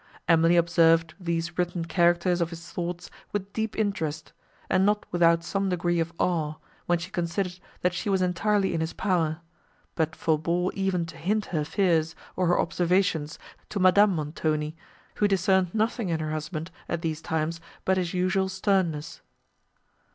Emily observed these written characters of his thoughts with deep interest, and not without some degree of awe, when she considered that she was entirely in his power; but forbore even to hint her fears, or her observations, to Madame Montoni, who discerned nothing in her husband, at these times, but his usual sternness.